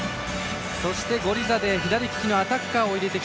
そしてゴリザデー左利きのアタッカーを入れた。